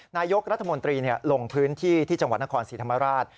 นายกรัฐมนตรีลงพื้นที่ที่จังหวัดนครศรีธรรมราช